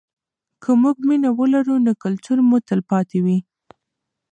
که موږ مینه ولرو نو کلتور مو تلپاتې وي.